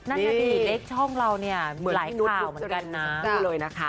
นั่นแหละดิเลขช่องเราเนี่ยมีหลายข่าวเหมือนกันนะ